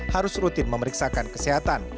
harus rutin memeriksakan kesehatan